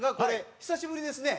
久しぶりです。